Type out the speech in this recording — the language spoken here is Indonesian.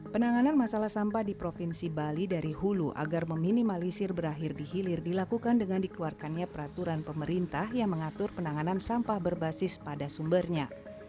penanganan masalah sampah di provinsi bali dari hulu agar meminimalisir berakhir di hilir dilakukan dengan dikeluarkannya peraturan pemerintah yang mengatur penanganan sampah berbasis pada sumbernya